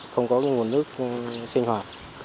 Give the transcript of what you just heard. không có nguồn nước sinh hoạt